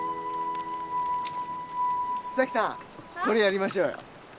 これやりましょうよ。